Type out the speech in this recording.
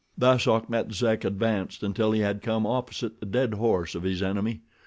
Thus Achmet Zek advanced until he had come opposite the dead horse of his enemy.